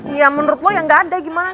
ya menurut lo yang gak ada gimana